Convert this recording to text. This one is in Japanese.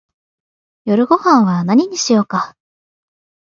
夜ごはんは何にしようか